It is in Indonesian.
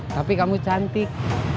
tapi kamu cantik